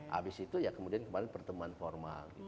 habis itu ya kemudian kemarin pertemuan formal